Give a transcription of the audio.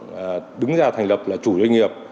đối tượng đứng ra thành lập là chủ doanh nghiệp